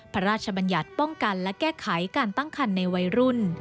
พระราชบัญญัติป้องกันและแก้ไขการตั้งคันในวัยรุ่น